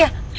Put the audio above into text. aduh bu mesi